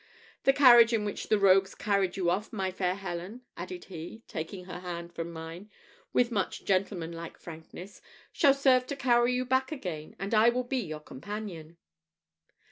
The carriage in which the rogues carried you off, my fair Helen," added he, taking her hand from mine, with much gentlemanlike frankness, "shall serve to carry you back again; and I will be your companion."